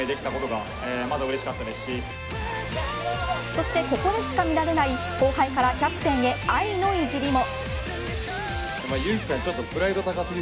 そしてここでしか見られない後輩からキャプテンへ愛のいじりも。